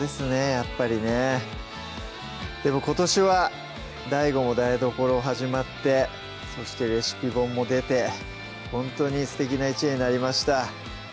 やっぱりねでも今年はＤＡＩＧＯも台所始まってそしてレシピ本も出てほんとにすてきな１年になりました